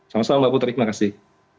sama sama mbak putri terima kasih